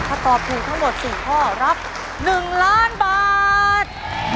ถ้าตอบถูกทั้งหมด๔ข้อรับ๑ล้านบาท